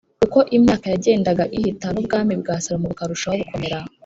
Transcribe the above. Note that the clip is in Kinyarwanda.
uko imyaka yagendaga ihita n’ubwami bwa salomo bukarushaho gukomera,